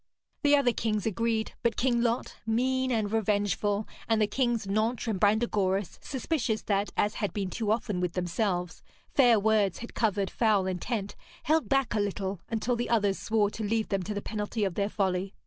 The other kings agreed, but King Lot, mean and revengeful, and the Kings Nentres and Brandegoris, suspicious that, as had been too often with themselves, fair words had covered foul intent, held back a little, until the others swore to leave them to the penalty of their folly.